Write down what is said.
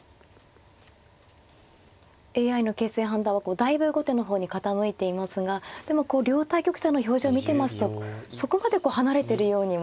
ＡＩの形勢判断はだいぶ後手の方に傾いていますがでも両対局者の表情見てますとそこまで離れてるようにも。